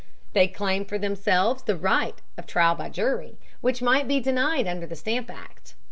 They claimed for themselves the right of trial by jury which might be denied under the Stamp Act.